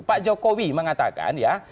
pak jokowi mengatakan ya